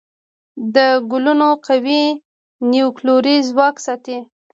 د ګلوون قوي نیوکلیري ځواک ساتي.